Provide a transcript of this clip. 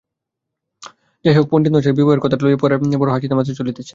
যাহা হউক, পণ্ডিতমহাশয়ের বিবাহের কথাটা লইয়া পাড়ায় বড়ো হাসিতামাসা চলিতেছে।